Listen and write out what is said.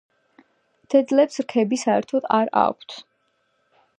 დედლებს რქები საერთოდ არ აქვთ.